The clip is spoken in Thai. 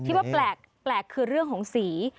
ว่าแปลกคือเรื่องของสี